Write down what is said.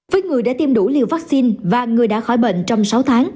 với người đã tiêm đủ liều vaccine và người đã khỏi bệnh trong sáu tháng